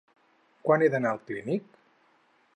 Quan he d'anar al Clínic?